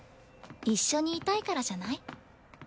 一緒にいたいからじゃない？